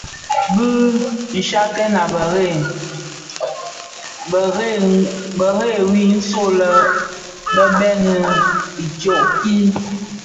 Bi nshyakten a bërëg bërëg wui nso lè bi bèň i tsoň tii.